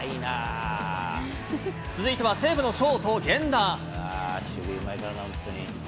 続いては西武のショート、源田。